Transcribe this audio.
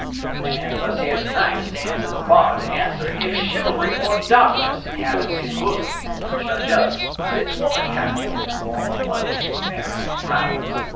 Each man of us here to night stands at the bar to answer if chivalry or darkness inhabits his bosom. To judge us sits womankind in the form of one of its fairest flowers.